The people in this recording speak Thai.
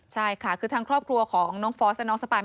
ใช่ค่ะคือทางครอบครัวของน้องฟอสและน้องสปาย